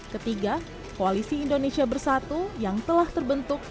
ketiga koalisi indonesia bersatu yang telah terbentuk